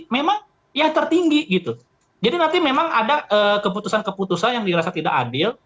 memang yang tertinggi gitu jadi nanti memang ada keputusan keputusan yang dirasa tidak adil